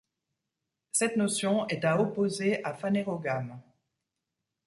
Cette notion est à opposer à phanérogame.